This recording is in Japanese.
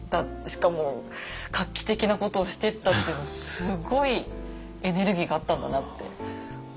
しかも画期的なことをしてったっていうのはすごいエネルギーがあったんだなって思いますね。